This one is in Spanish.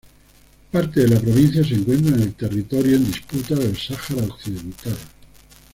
Parte de la provincia se encuentra en el territorio en disputa del Sáhara Occidental.